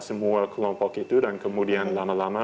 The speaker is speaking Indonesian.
semua kelompok itu dan kemudian lama lama